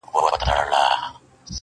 خدای انډیوال که جانان څۀ ته وایي,